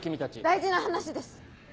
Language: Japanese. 大事な話です。